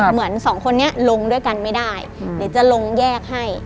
เหมือนสองคนนี้ลงด้วยกันไม่ได้เดี๋ยวจะลงแยกให้